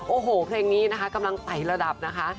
โอ้โหเพลงนี้นะคะกำลังไต่ระดับนะคะ